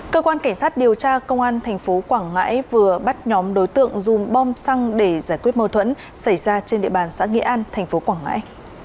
cơ quan cảnh sát điều tra công an tp quảng ngãi vừa bắt nhóm đối tượng dùng bom xăng để giải quyết mâu thuẫn xảy ra trên địa bàn xã nghĩa an tp quảng ngãi